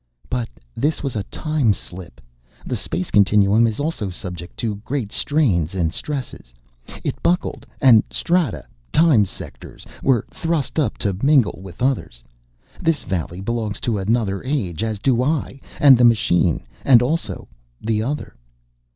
"But this was a time slip. The space time continuum is also subject to great strains and stresses. It buckled, and strata Time sectors were thrust up to mingle with others. This valley belongs to another age, as do I and the machine, and also the Other."